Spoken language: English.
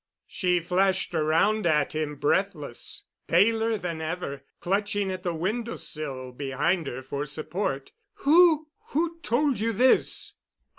She flashed around at him, breathless, paler than ever, clutching at the window sill behind her for support. "Who—who told you this?"